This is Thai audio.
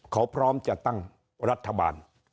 เขาพร้อมจะตั้งรัฐบาล